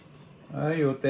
「はいお手。